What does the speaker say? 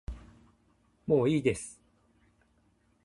もういいです